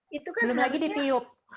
belum lagi ditiup